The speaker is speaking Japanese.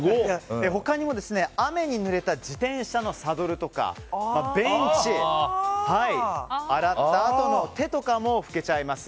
他にも雨にぬれた自転車のサドルとかベンチや、洗ったあとの手も拭けちゃいます。